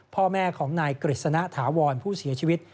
พ่อแม่ของนายกฤษณะถาวรผู้เสียชีวิต